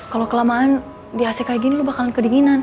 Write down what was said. kalo kelamaan di ac kayak gini lo bakalan kedinginan